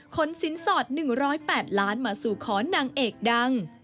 ขนสินสอด๑๐๘ล้านมาสู่ขอนางเอกดัง